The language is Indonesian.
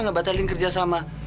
gak batalin kerjasama